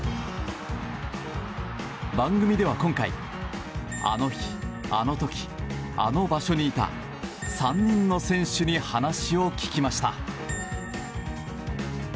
番組では今回あの日、あの時、あの場所にいた３人の選手に話を聞きました。